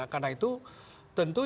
karena itu tentu